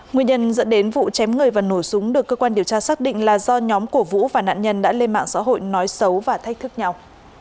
nguyên nhân dẫn đến vụ chém người và nổ súng được cơ quan điều tra xác định là do nhóm của vũ và nạn nhân đã lên mạng xã hội nói xấu và thách thức nhau